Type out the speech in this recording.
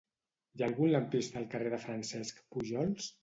Hi ha algun lampista al carrer de Francesc Pujols?